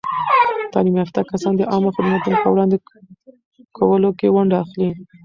تعلیم یافته کسان د عامه خدمتونو په وړاندې کولو کې ونډه اخلي.